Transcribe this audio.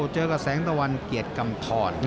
เจอกับแสงตะวันเกียรติกำทร